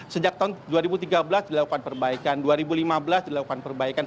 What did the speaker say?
sejak tahun dua ribu tiga belas dilakukan perbaikan dua ribu lima belas dilakukan perbaikan